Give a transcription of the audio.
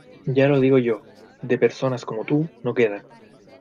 Ya lo digo yo; de personas como tú, no quedan.